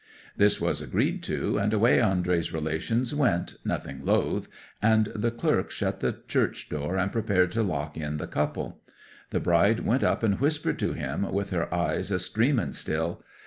'This was agreed to, and away Andrey's relations went, nothing loath, and the clerk shut the church door and prepared to lock in the couple. The bride went up and whispered to him, with her eyes a streaming still.